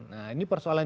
nah ini persoalan